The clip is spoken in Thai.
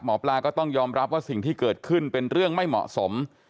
หมอปลาก็ต้องยอมรับว่าสิ่งที่เกิดขึ้นเป็นเรื่องไม่เหมาะสม